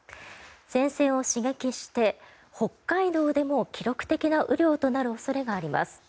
前線を刺激して北海道でも記録的な雨量となる恐れがあります。